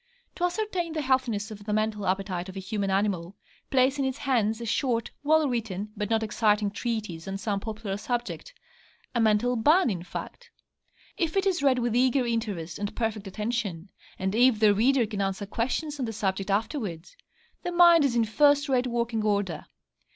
To ascertain the healthiness of the mental appetite of a human animal, place in its hands a short, well written, but not exciting treatise on some popular subject a mental bun, in fact. If it is read with eager interest and perfect attention, and if the reader can answer questions on the subject afterwards, the mind is in first rate working order.